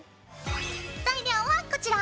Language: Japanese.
材料はこちら。